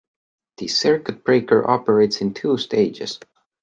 The circuit breaker operates in two stages.